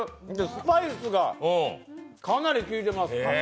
スパイスがかなり効いてます。